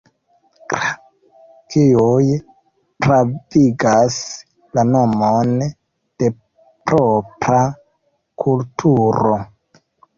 Kr., kiuj pravigas la nomon de propra kulturo.